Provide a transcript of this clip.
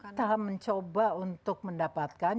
kita mencoba untuk mendapatkan